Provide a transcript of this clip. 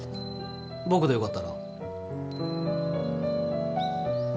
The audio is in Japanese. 僕でよかったら。